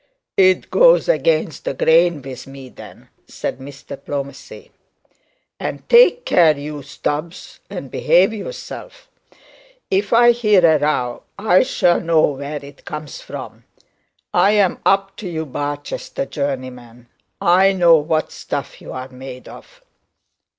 'It goes against the grain with me, then,' said Mr Plomacy. 'And take care, you Stubbs, and behave yourself. If I hear a row, I shall know where it comes from. I'm up to you Barchester journeymen; I know what stuff you're made of.'